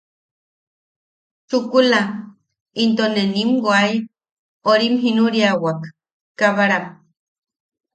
Chukula, into ne nim wai... orim jinuriawak... kabaram.